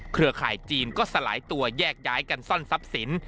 เครือข่ายจีนก็สลายตัวแยกย้ายกันซ่อนทรัพย์สิน